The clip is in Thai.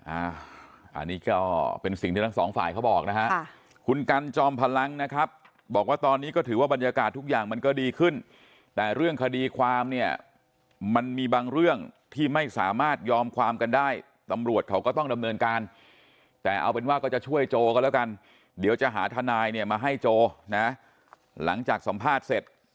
อันนี้ก็เป็นสิ่งที่ทั้งสองฝ่ายเขาบอกนะฮะคุณกันจอมพลังนะครับบอกว่าตอนนี้ก็ถือว่าบรรยากาศทุกอย่างมันก็ดีขึ้นแต่เรื่องคดีความเนี่ยมันมีบางเรื่องที่ไม่สามารถยอมความกันได้ตำรวจเขาก็ต้องดำเนินการแต่เอาเป็นว่าก็จะช่วยโจก็แล้วกันเดี๋ยวจะหาทนายเนี่ยมาให้โจนะหลังจากสัมภาษณ์เสร็จ